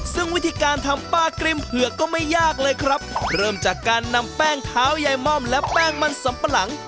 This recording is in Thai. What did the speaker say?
ซึ่งวิธีการทำปลากริมเผือกก็ไม่ยากเลยครับเริ่มจากการนำแป้งเท้ายายม่อมและแป้งมันสำปะหลัง